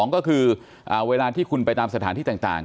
ก็คือเวลาที่คุณไปตามสถานที่ต่าง